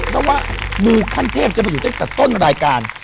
เพราะว่ามูขั้นเทพจะมาอยู่ตั้งแต่ต้นรายการ